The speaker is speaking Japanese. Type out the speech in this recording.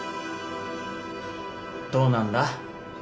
どうなんだ。